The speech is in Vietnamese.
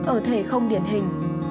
ở thể không điển hình